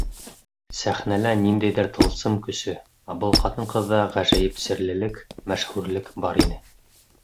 Сәхнәлә ниндәйҙер тылсым көсө, ә был ҡатын-ҡыҙҙа ғәжәйеп серлелек, мәшһүрлек бар ине.